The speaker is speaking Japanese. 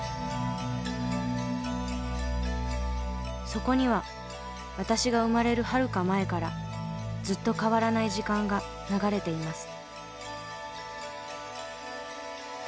そこには私が生まれるはるか前からずっと変わらない時間が流れています。